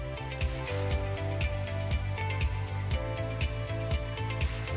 bagaimana cara untuk memiliki sikap mental yang kuat